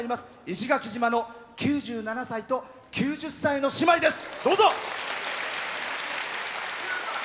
石垣島の９７歳と９０歳の姉妹です。